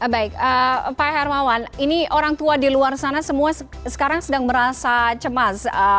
baik pak hermawan ini orang tua di luar sana semua sekarang sedang merasa cemas